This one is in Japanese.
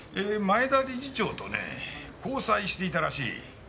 前田理事長とね交際していたらしい。